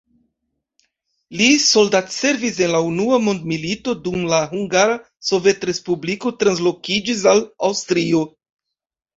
Li soldatservis en la unua mondmilito, dum la Hungara Sovetrespubliko translokiĝis al Aŭstrio.